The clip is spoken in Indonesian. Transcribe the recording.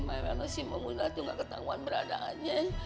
ya allah si maimunah tuh gak ketangguhan beradaannya